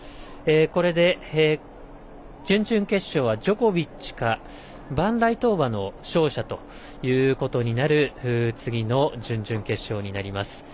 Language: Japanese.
これで、準々決勝はジョコビッチかバンライトーバの勝者ということになる次の準々決勝になります。